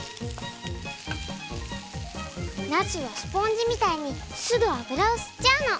なすはスポンジみたいにすぐあぶらをすっちゃうの。